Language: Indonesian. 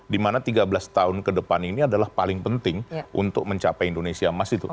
dimana tiga belas tahun ke depan ini adalah paling penting untuk mencapai indonesia emas itu